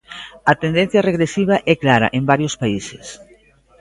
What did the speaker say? A tendencia regresiva é clara en varios países.